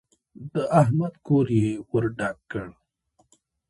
د احمد کور يې ور ډاک کړ.